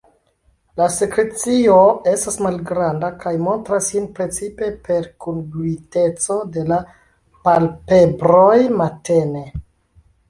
La sekrecio estas malgranda kaj montras sin precipe per kungluiteco de la palpebroj matene.